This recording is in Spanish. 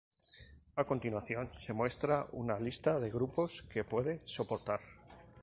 A continuación se muestra una lista de grupos que puede soportar.